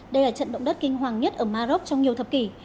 đây là trận động đất kinh hoàng nhất ở maroc trong nhiều thập kỷ